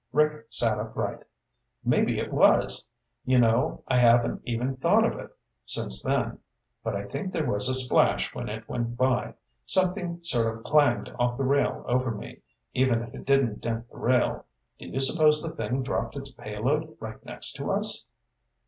Rick sat upright. "Maybe it was! You know, I haven't even thought of it since then, but I think there was a splash when it went by. Something sort of clanged off the rail over me, even if it didn't dent the rail. Do you suppose the thing dropped its payload right next to us?"